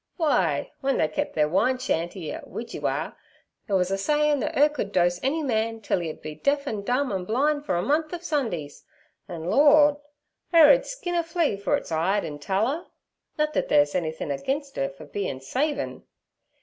W'y, w'en they kep' ther wine shanty at Widgiewa there wuz a sayin' thet 'er could dose any man till 'e ud be deaf an' dumb an' blin' fer a month ov Sundees. An' Lord! 'er ud skin a flea fer its 'ide an' taller nut thet thet's anythin' ag'inst 'er fer bein' savin'.'